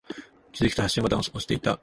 気づくと、発信ボタンを押していた。